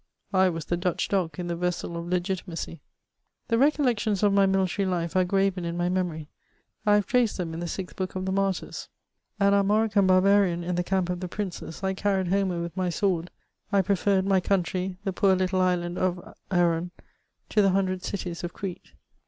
I was the Dutch dog in the vessel of Legitimacy. The recoilections of my military life are graven in my memory; I have traced them in the sixth book of the Martyrs. An Armorican barbarian in the camp of the princes, I car ried Homer with my sword ; I preferred my country^ the poor little island of Aaron, to the hundred cities of Crete.